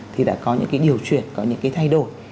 thì đã có những cái điều chuyển có những cái thay đổi